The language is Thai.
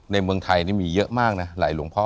ในเมืองไทยนี่มีเยอะมากนะหลายหลวงพ่อ